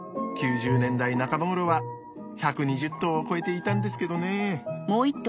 ９０年代半ばごろは１２０頭を超えていたんですけどね。